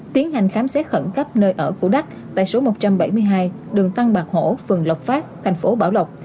tiến hành khám xét khẩn cấp nơi ở của đắc tại số một trăm bảy mươi hai đường tăng bạc hổ phường lộc phát thành phố bảo lộc